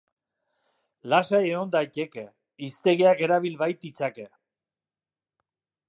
Lasai egon daiteke, hiztegiak erabil baititzake.